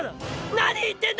何言ってんだ